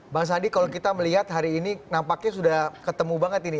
bang sandi kalau kita melihat hari ini nampaknya sudah ketemu banget ini